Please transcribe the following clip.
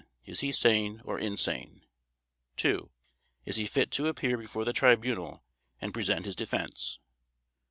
Is he sane or insane? 2. Is he fit to appear before the Tribunal and present his defense?